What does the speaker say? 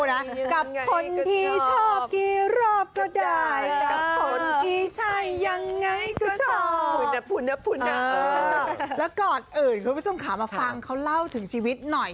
แล้วก่อนอื่นคุณผู้ชมขามาฟังเขาเล่าถึงชีวิตหน่อย